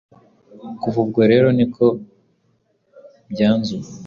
Kuva ubwo rero niko byanzuwe